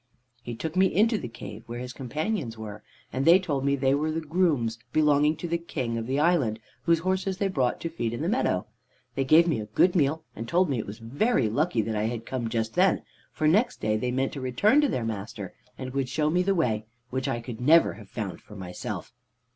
He took me into the cave where his companions were, and they told me they were the grooms belonging to the King of the island, whose horses they brought to feed in the meadow. They gave me a good meal, and told me it was very lucky that I had come just then, for next day, they meant to return to their master, and would show me the way, which I could never have found for myself.